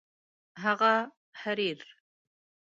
هغه حریر